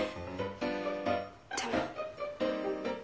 でも。